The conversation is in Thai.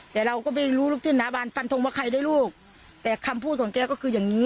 แต่เราก็ไม่รู้เรื่องถึงหน้าบานฟันทรงวะใครด้วยลูกแต่คำพูดของ